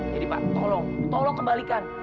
jadi pak tolong tolong kembalikan